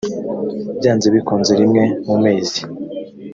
byanze bikunze rimwe mu mezi